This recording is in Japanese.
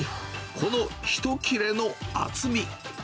この１切れの厚み。